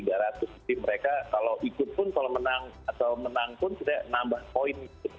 jadi mereka kalau ikut pun kalau menang atau menang pun kita nambah poin gitu